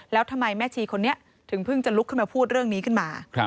แล้วทำไมแม่ชีคนนี้ถึงเพิ่งจะลุกขึ้นมาพูดเรื่องนี้ขึ้นมา